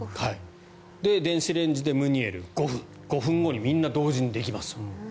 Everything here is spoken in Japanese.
電子レンジでムニエル５分５分後にみんな同時にできます。